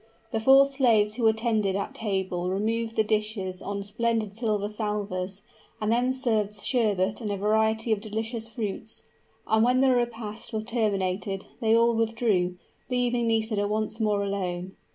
The four slaves who attended at table removed the dishes on splendid silver salvers, and then served sherbet and a variety of delicious fruits; and when the repast was terminated, they all withdrew, leaving Nisida once more alone.